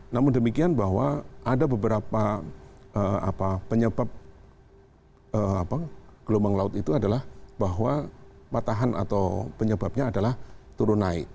namun demikian bahwa ada beberapa penyebab gelombang laut itu adalah bahwa patahan atau penyebabnya adalah turun naik